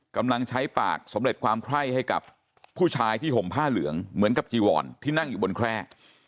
กำลังใช้ปากสำเร็จความไคร้ให้กับผู้ชายที่ห่มผ้าเหลืองเหมือนกับจีวอนที่นั่งอยู่บนแคร่